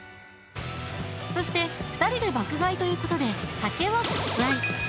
そして２人で爆買いということで竹は割愛。